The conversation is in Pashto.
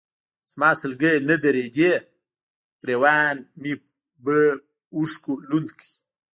زما سلګۍ نه درېدې، ګرېوان مې به اوښکو لوند کړ.